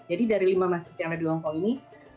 jadi dari lima masjid yang ada di hongkong ini